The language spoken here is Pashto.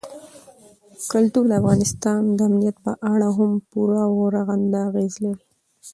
کلتور د افغانستان د امنیت په اړه هم پوره او رغنده اغېز لري.